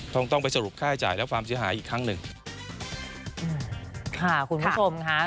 ต้องต้องไปสรุปค่าใช้จ่ายและความเสียหายอีกครั้งหนึ่งอืมค่ะคุณผู้ชมค่ะ